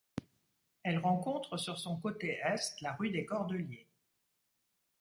Elle rencontre, sur son côté est, la rue des Cordeliers.